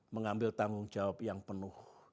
mengambil tanggung jawab yang penuh